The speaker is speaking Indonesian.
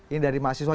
ini dari mahasiswa